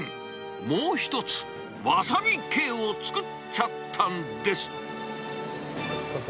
もう一つ、わさび系を作っちゃっどうぞ。